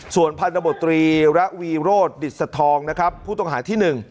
ส่วนพันธบตรีระวีโรธดิจสะทองผู้ต้องหาที่๑